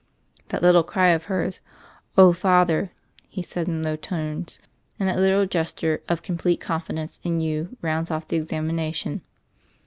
i "That little cry of hers— *Oh, Father,' "—' he said in low tones, "and that little gesture of I complete confidence in you rounds off the exam ! ination.